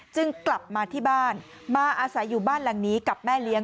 กลับมาที่บ้านมาอาศัยอยู่บ้านหลังนี้กับแม่เลี้ยง